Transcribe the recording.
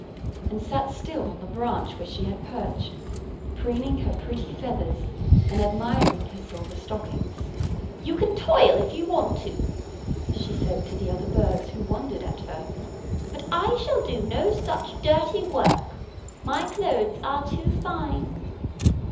and sat still on the branch where she had perched, preening her pretty feathers and admiring her silver stockings. "You can toil if you want to," she said to the other birds who wondered at her, "but I shall do no such dirty work. My clothes are too fine."